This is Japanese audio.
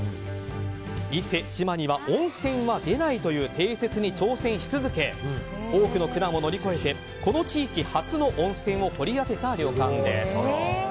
伊勢志摩には温泉は出ないという定説に挑戦し続け多くの苦難を乗り越えてこの地域初の温泉を掘り当てた旅館です。